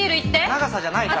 長さじゃないから。